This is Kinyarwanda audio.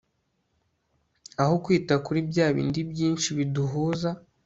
aho kwita kuri bya bindi byinshi biduhuza